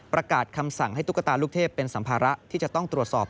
ประกาศคำสั่งให้ตุ๊กตาลูกเทพเป็นสัมภาระที่จะต้องตรวจสอบ